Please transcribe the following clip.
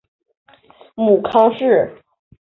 母康氏。